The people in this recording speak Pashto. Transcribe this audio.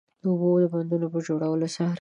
د اوبو د بندونو په جوړولو سره